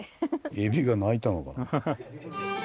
エビが鳴いたのかな。